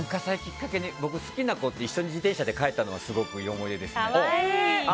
僕好きな子と一緒に自転車で帰ったのがすごくいい思い出ですね。